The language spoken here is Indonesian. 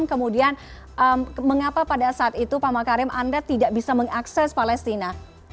kemudian mengapa pada saat itu pak makarim anda tidak bisa mengakses palestina